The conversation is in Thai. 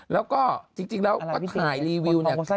แล้วก็จริงแล้วก็ถ่ายรีวิวเนี่ย